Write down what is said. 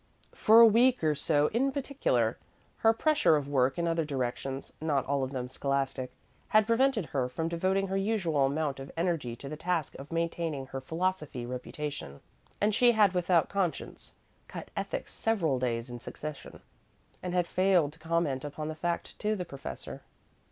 For a week or so in particular, her pressure of work in other directions (not all of them scholastic) had prevented her from devoting her usual amount of energy to the task of maintaining her philosophy reputation, and she had, without conscience, cut ethics several days in succession, and had failed to comment upon the fact to the professor.